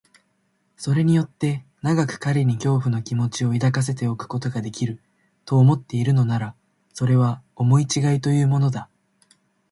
それによって長く彼に恐怖の気持を抱かせておくことができる、と思っているのなら、それは思いちがいというものだ。